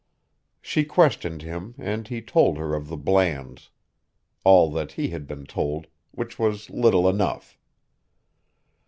She questioned him and he told her of the Blands, all that he had been told, which was little enough.